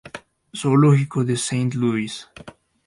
Zoológico de Saint Louis